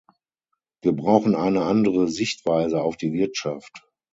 Wir brauchen eine andere Sichtweise auf die Wirtschaft.